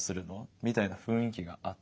みたいな雰囲気があって。